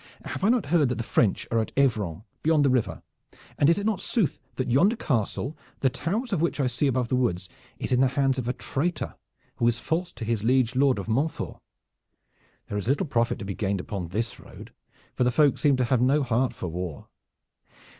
Have I not heard that the French are at Evran beyond the river, and is it not sooth that yonder castle, the towers of which I see above the woods, is in the hands of a traitor, who is false to his liege lord of Montford? There is little profit to be gained upon this road, for the folk seem to have no heart for war.